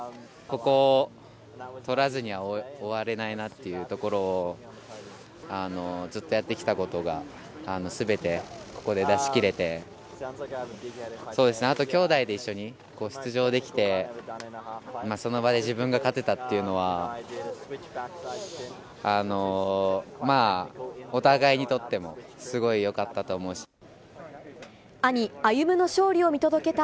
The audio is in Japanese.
ここ取らずには終われないなというところをずっとやってきたことが全てここで出し切れて、あと、きょうだいで一緒に出場できて、その場で自分が勝てたっていうのは、お互いにとってもすごいよかったと思うし。